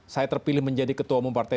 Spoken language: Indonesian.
saya terpilih menjadi ketua mempartai